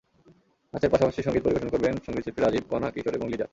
নাচের পাশাপাশি সংগীত পরিবেশন করবেন সংগীত শিল্পী রাজিব, কণা, কিশোর এবং লিজা।